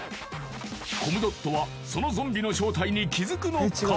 コムドットはそのゾンビの正体に気づくのか？